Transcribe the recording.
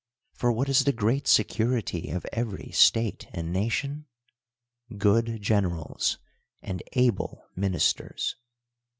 For what is the great security of every state and nation 1 Good generals and able ministers.